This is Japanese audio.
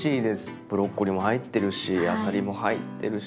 ブロッコリーも入ってるしあさりも入ってるし。